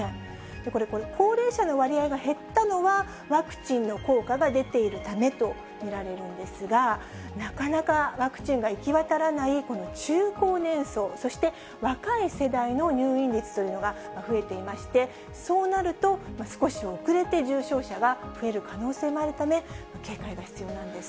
これ、高齢者の割合が減ったのはワクチンの効果が出ているためとみられるんですが、なかなかワクチンが行き渡らない、この中高年層、そして若い世代の入院率というのが増えていまして、そうなると、少し遅れて重症者が増える可能性もあるため、警戒が必要なんです。